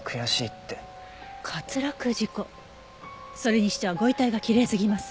それにしてはご遺体がきれいすぎます。